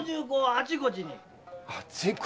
あちこち。